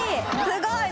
すごい！